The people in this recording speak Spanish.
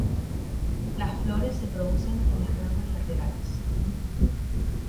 Las flores se producen en las ramas laterales.